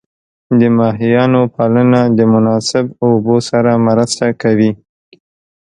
د ماهیانو پالنه د مناسب اوبو سره مرسته کوي.